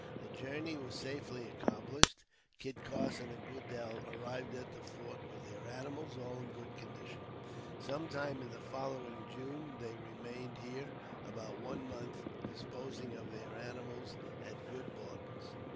The journey was safely accomplished, Kit Carson and Goodel arriving at the fort, with their animals all in good condition, sometime in the following June. They remained here about one month disposing of their animals at good bargains.